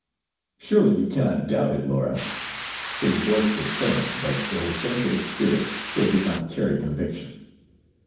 "Surely you cannot doubt it, Laura?" His voice was firm, but to her sensitive spirit it did not carry conviction.